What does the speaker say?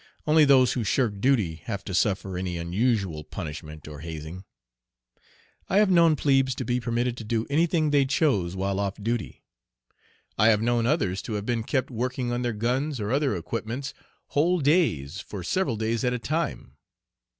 Only those who shirk duty have to suffer any unusual punishment or hazing. I have known plebes to be permitted to do any thing they chose while off duty. I have known others to have been kept working on their guns or other equipments whole days for several days at a time.